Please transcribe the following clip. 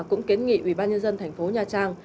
cũng kiến nghị ubnd tp nha trang